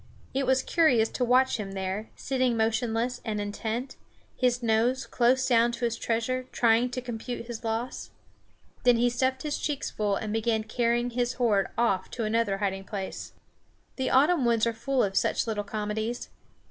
It was curious to watch him there, sitting motionless and intent, his nose close down to his treasure, trying to compute his loss. Then he stuffed his cheeks full and began carrying his hoard off to another hiding place. The autumn woods are full of such little comedies.